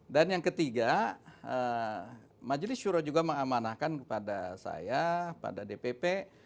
dan yang ketiga majerisura juga mengamanahkan kepada saya pada dpp